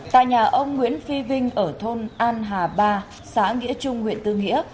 tại nhà ông nguyễn phi vinh ở thôn an hà ba xã nghĩa trung huyện tư nghĩa